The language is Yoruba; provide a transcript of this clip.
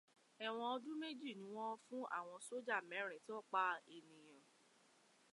Ẹwọ́n ọdún méjì ni wọ́n fún àwọn sója mẹ́rin tó pa ènìyàn.